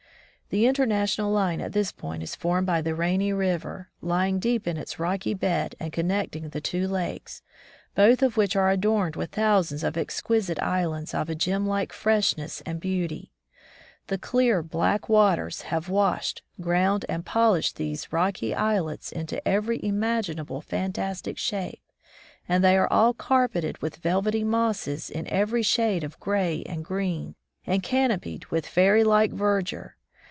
The international line at this point is formed by the Rainy River, lying deep in its rocky bed and connecting the two lakes, both of which are adorned with thousands of exquisite islands of a gem like freshness and beauty. The clear, black waters have washed, ground and polished these rocky islets into every imag inable fantastic shape and they are all carpeted with velvety mosses in every shade of gray and green, and canopied with fairy like verdure.